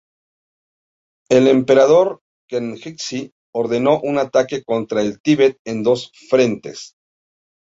El emperador Kangxi ordenó un ataque contra el Tíbet en dos frentes.